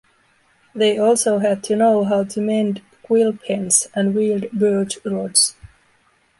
They also had to know how to mend quill pens and wield birch rods.